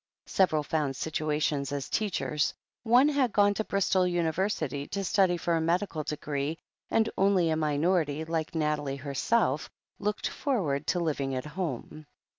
Several found situations as teachers, one had gone to Bristol University to study for a med ical degree, and only a minority, like Nathalie herself, looked forward to living at home.